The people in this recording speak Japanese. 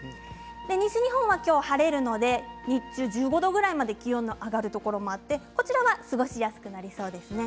西日本は今日は晴れるので日中１５度くらいまで気温が上がるところもあってこちらは過ごしやすくなりそうですね。